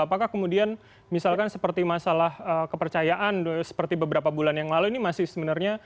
apakah kemudian misalkan seperti masalah kepercayaan seperti beberapa bulan yang lalu ini masih sebenarnya